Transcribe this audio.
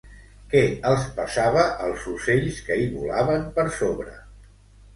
Que els passava als ocells que hi volaven per sobre?